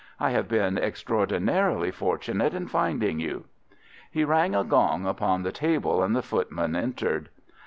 I have been extraordinarily fortunate in finding you." He rang a gong upon the table, and the footman entered.